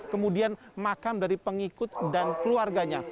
kemudian makam dari pengikut dan keluarganya